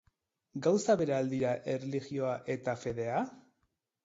Gauza bera al dira erlijioa eta fedea?